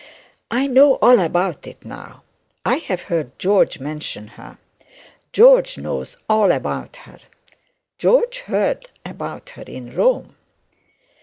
'I know all about it now. I have heard George mention her. George knows all about her. George heard about her in Rome.'